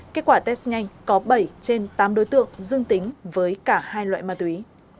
kết quả test nhanh có bảy trên tám đối tượng dương tính với cả hai loại ma túy